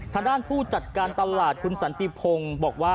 ทางด้านผู้จัดการตลาดคุณสันติพงศ์บอกว่า